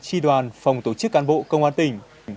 tri đoàn phòng tổ chức cán bộ công an tỉnh